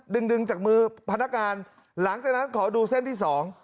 ดึงดึงจากมือพนักงานหลังจากนั้นขอดูเส้นที่สอง